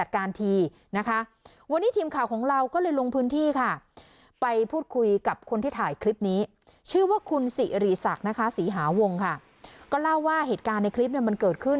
ก็เล่าว่าเหตุการณ์ในคลิปมันเกิดขึ้น